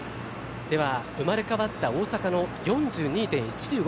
では、生まれ変わった大阪の４２．１９５